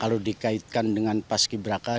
kalau dikaitkan dengan paski beraka